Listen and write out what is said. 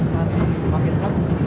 nanti dipakai tempat